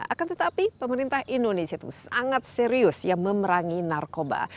akan tetapi pemerintah indonesia itu sangat serius ya memerangi narkoba